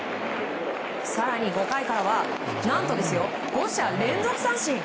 更に５回からは何と５者連続三振。